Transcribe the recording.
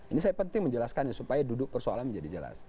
ini saya penting menjelaskannya supaya duduk persoalan menjadi jelas